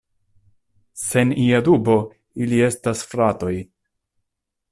Sen ia dubo, ili estas fratoj!